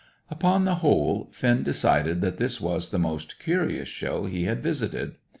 Upon the whole, Finn decided that this was the most curious show he had visited.